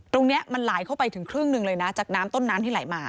ตรงนี้มันไหลเข้าไปถึงครึ่งหนึ่งเลยนะจากน้ำต้นน้ำที่ไหลมา